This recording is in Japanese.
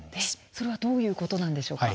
それはどういうことなんでしょうか。